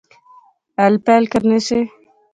ہل پہل کرنے سے